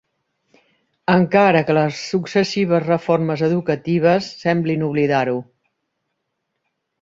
Encara que les successives reformes educatives semblin oblidar-ho.